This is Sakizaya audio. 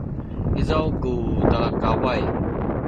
izaw ku talakaway